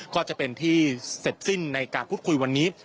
ก็จะเป็นที่เสร็จสิ้นในการพูดคุยวันนี้